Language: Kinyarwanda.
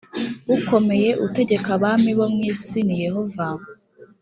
ukomeye utegeka abami bo mu isi ni yehova